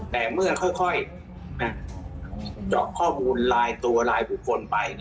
แต่เมื่อค่อยเจาะข้อมูลลายตัวลายบุคคลไป